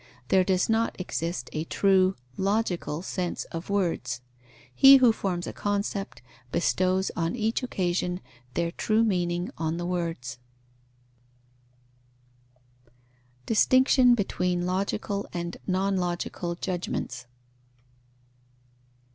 There does not exist a true (logical) sense of words. He who forms a concept bestows on each occasion their true meaning on the words. _Distinction between logical and non logical judgements.